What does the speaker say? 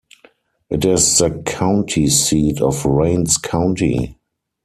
It is the county seat of Rains County.